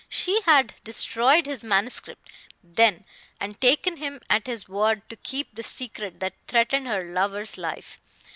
She had destroyed his manuscript, then, and taken him at his word to keep the secret that threatened her lover's life.